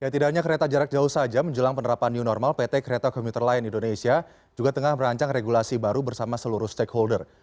tidak hanya kereta jarak jauh saja menjelang penerapan new normal pt kereta komuter lain indonesia juga tengah merancang regulasi baru bersama seluruh stakeholder